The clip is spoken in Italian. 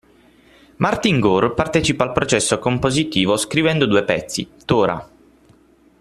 Martin Gore partecipa al processo compositivo, scrivendo due pezzi, "Tora!